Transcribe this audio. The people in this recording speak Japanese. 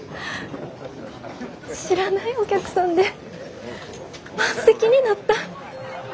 知らないお客さんで満席になった。